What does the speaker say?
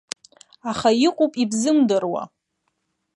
Аха иҟоуп ибзымдыруа.